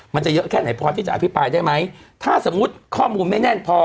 มันจะเยอะแค่ไหนพอที่จะอภิปรายได้ไหมถ้าสมมุติข้อมูลไม่แน่นพอ